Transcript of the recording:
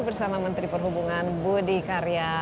bersama menteri perhubungan budi karya